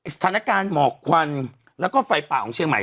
สถานการณ์หมอกควันแล้วก็ไฟป่าของเชียงใหม่